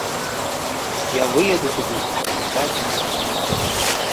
Я выеду туды праз два дні.